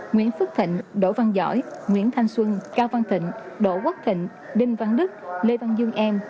nguyễn phước thịnh đỗ văn giỏi nguyễn thanh xuân cao văn thịnh đỗ quốc thịnh đinh văn đức lê văn dương em